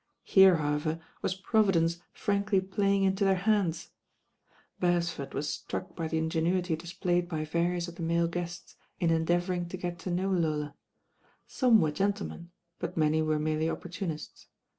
Here, however, was Providence frankly playing into their hands. Bercsford was struck by the ingenuity displayed by various of the male guests in endeavouring to get to know Lola. Some were gentlemen; but many were merely opportunists.